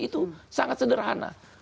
itu sangat sederhana